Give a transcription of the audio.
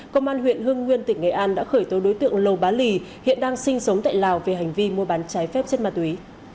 công an huyện hưng nguyên tỉnh nghệ an đã khởi tố đối tượng lầu bá lì hiện đang sinh sống tại lào về hành vi mua bán trái phép chất ma túy